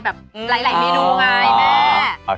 แบบไล่เม็ดูไงแม่